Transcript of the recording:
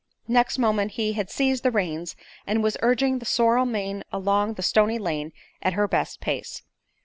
Next moment he had seized the reins and was urging the sorrel mare along the stony lane at her best pace.